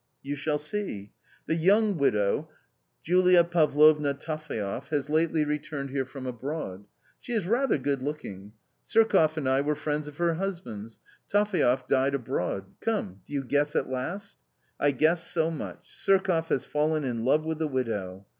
"You shall see. The young wi dow, Julia Pavlovna Taphaev, ha s lately returned here from abroad, ane is 'ratner gooa looking. Surkoff and I were friends of her husband's. Taphaev died abroad. Come, do you guess at last ?"" I guess so much ; Surkoff has fallen in love with the widow."